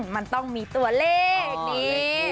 มันต้องมีตัวเลขดี